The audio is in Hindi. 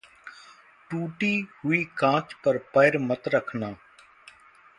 टूटी हुई काँच पर पैर मत रखना।